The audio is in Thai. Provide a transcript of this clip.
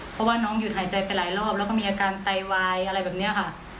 เพราะว่าน้องหยุดหายใจไปหลายรอบแล้วก็มีอาการไตวายอะไรแบบนี้ค่ะ